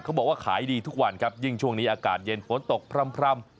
เขาบอกว่าขายดีทุกวันครับยิ่งช่วงนี้อากาศเย็นฝนตกพร่ำ